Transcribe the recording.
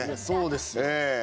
そうですよ。